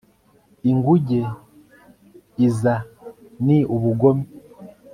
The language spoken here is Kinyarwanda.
inguge iza ni ubugome